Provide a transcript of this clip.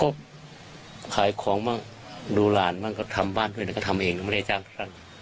ก็ขายของบ้างดูหลานบ้างก็ทำบ้านด้วยแต่ก็ทำเองไม่ได้จ้างท่าน